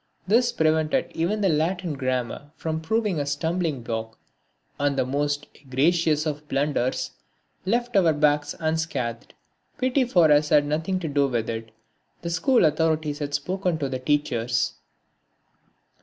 This prevented even the Latin Grammar from proving a stumbling block, and the most egregious of blunders left our backs unscathed. Pity for us had nothing to do with it the school authorities had spoken to the teachers!